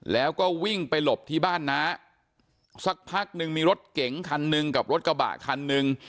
แล้วก็วิ่งไปหลบที่บ้านน้าสักพักหนึ่งมีรถเก๋งคันหนึ่งกับรถกระบะคันหนึ่ง